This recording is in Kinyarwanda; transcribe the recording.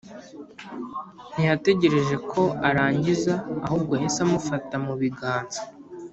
ntiyategereje ko arangiza ahubwo yahise amufata mubiganza